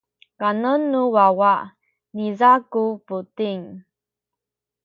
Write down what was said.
kanen nu wawa niza ku buting.